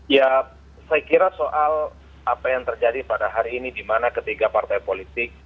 ya saya kira soal apa yang terjadi pada hari ini di mana ketiga partai politik